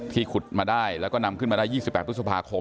ขุดมาได้แล้วก็นำขึ้นมาได้๒๘พฤษภาคม